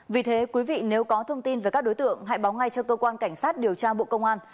vì thế quý vị nếu có thông tin về các đối tượng hãy báo ngay cho cơ quan cảnh sát điều tra bộ công an